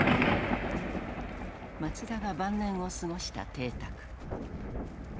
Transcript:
松田が晩年を過ごした邸宅。